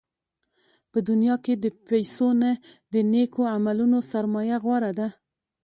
په دنیا کې د پیسو نه، د نېکو عملونو سرمایه غوره ده.